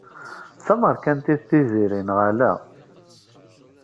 D tameṛkantit Tiziri neɣ ala?